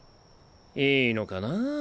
いいのかなぁ